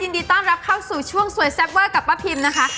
ยินดีต้อนรับเข้าสู่ช่วงสวยแซ่บเวอร์กับป้าพิมนะคะ